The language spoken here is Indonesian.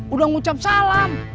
udah ngucap salam